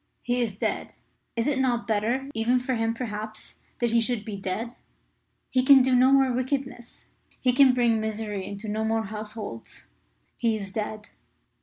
He is dead. Is it not better even for him, perhaps that he should be dead? He can do no more wickedness; he can bring misery into no more households. He is dead."